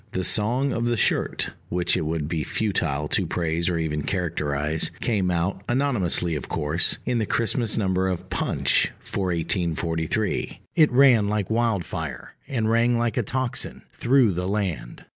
The Song of the Shirt, which it would be futile to praise or even to characterize, came out, anonymously of course, in the Christmas number of Punch for 1843: it ran like wildfire, and rang like a tocsin, through the land.